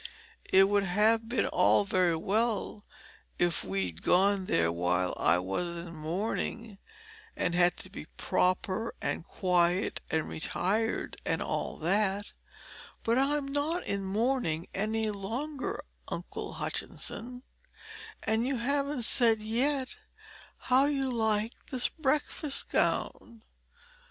It would have been all very well if we'd gone there while I was in mourning, and had to be proper and quiet and retired, and all that; but I'm not in mourning any longer, Uncle Hutchinson and you haven't said yet how you like this breakfast gown.